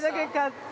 って。